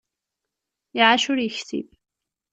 Iɛac ur yeksib.